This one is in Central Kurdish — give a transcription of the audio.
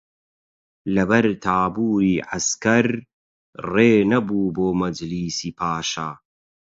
لە بەر تابووری عەسکەر ڕێ نەبوو بۆ مەجلیسی پاشا